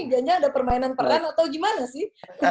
biasanya ada permainan peran atau gimana sih